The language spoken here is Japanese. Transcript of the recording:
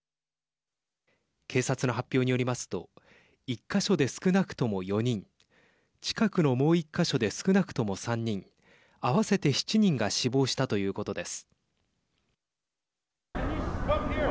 警察の発表によりますと１か所で少なくとも４人近くのもう１か所で少なくとも３人合わせて７人が死亡したということです。